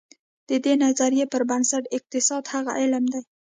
د دې نظریې پر بنسټ اقتصاد هغه علم دی.